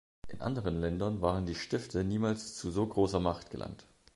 In anderen Ländern waren die Stifte niemals zu so großer Macht gelangt.